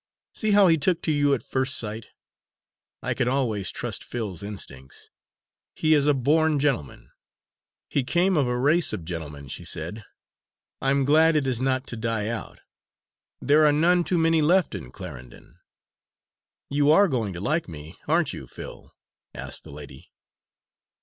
See how he took to you at first sight! I can always trust Phil's instincts. He is a born gentleman." "He came of a race of gentlemen," she said. "I'm glad it is not to die out. There are none too many left in Clarendon. You are going to like me, aren't you, Phil?" asked the lady.